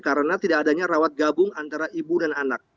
karena tidak adanya rawat gabung antara ibu dan anak